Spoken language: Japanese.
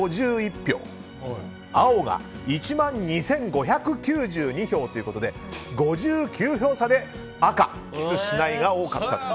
青が１万２５９２票ということで５９票差で赤キスしないが多かった。